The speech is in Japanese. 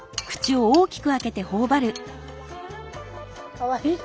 かわいい。